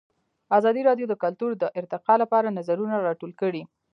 ازادي راډیو د کلتور د ارتقا لپاره نظرونه راټول کړي.